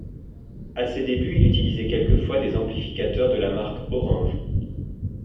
À ses débuts, il utilisait quelquefois des amplificateurs de la marque Orange.